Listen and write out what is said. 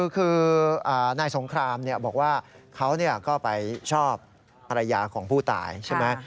คือนายสงครามบอกว่าเขาก็ไปชอบภรรยาของผู้ตายใช่ไหม